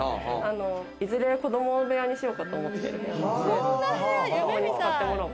いずれは子供部屋にしようかと思ってるんです。